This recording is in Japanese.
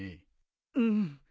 うん。